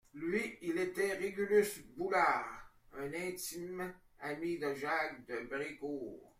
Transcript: Lui, il était Régulus Boulard, un intime ami de Jacques de Brécourt.